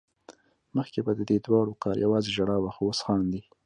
مخکې به ددې دواړو کار يوازې ژړا وه خو اوس خاندي